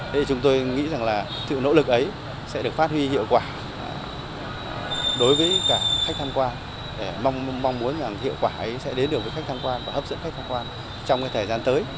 thế thì chúng tôi nghĩ rằng là sự nỗ lực ấy sẽ được phát huy hiệu quả đối với cả khách tham quan để mong muốn rằng hiệu quả ấy sẽ đến được với khách tham quan và hấp dẫn khách tham quan trong cái thời gian tới